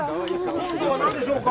今度は何でしょうか。